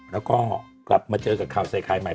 แล้วก็กลับมาเจอกับข่าวใส่ไข่ใหม่